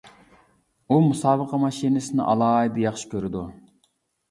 ئۇ مۇسابىقە ماشىنىسىنى ئالاھىدە ياخشى كۆرىدۇ.